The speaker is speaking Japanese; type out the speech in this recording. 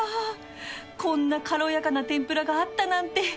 こんな軽やかな天ぷらがあったなんて